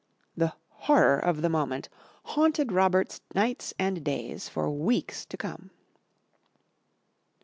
The horror of the moment haunted Robert's nights and days for weeks to come.